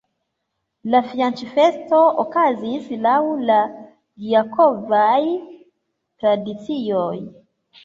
La fianĉfesto okazis laŭ la gjakovaj tradicioj.